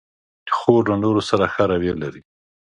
خور له نورو سره ښه رویه لري.